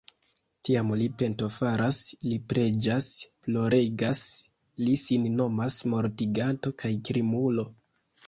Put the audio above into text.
Tiam li pentofaras, li preĝas, ploregas, li sin nomas mortiganto kaj krimulo.